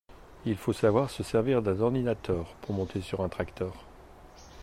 Il faut savoir se servir d’un ordinateur pour monter sur un tracteur.